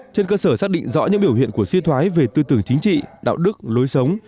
trên cơ sở xác định rõ những biểu hiện của suy thoái về tư tưởng chính trị đạo đức lối sống